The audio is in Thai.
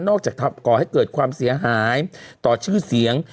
จากก่อให้เกิดความเสียหายต่อชื่อเสียง